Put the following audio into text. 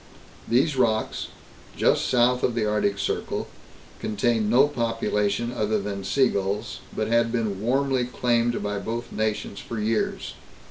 These rocks, just south of the Arctic circle, contained no population other than sea gulls, but had been warmly claimed by both nations for years.